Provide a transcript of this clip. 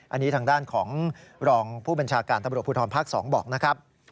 อันนี้ทางด้านของรองผู้บัญชาการตำรวจภูทรภาค๒บอกนะครับ